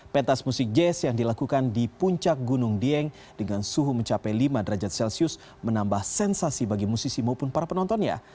pentas musik jazz yang dilakukan di puncak gunung dieng dengan suhu mencapai lima derajat celcius menambah sensasi bagi musisi maupun para penontonnya